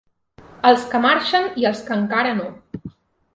Els que marxen i els que encara no.